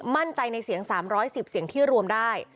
มั่นใจในเสียง๓๑๐เสียงที่รวมได้